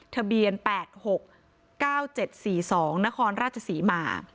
ทะเบียน๘๖๙๗๔๒นครราชศรีมา